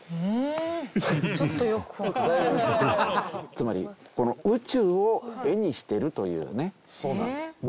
つまりこの宇宙を絵にしてるというね。